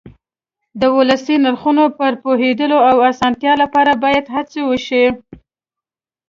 د ولسي نرخونو پر پوهېدنه او ساتنې لپاره باید هڅې وشي.